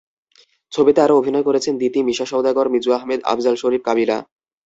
ছবিতে আরও অভিনয় করছেন দিতি, মিশা সওদাগর, মিজু আহমেদ, আফজাল শরীফ, কাবিলা।